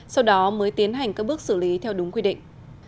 sau đó mới tiến hành các bước xử lý theo đúng quy định